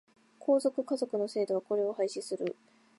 皇族、華族の制度はこれを廃止する。